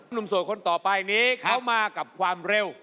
หนุ่มสวยคนต่อไปอันนี้เข้ามากับความเร็ว